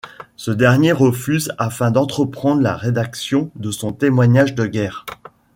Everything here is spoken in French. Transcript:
Ce dernier refuse afin d'entreprendre la rédaction de son témoignage de guerre.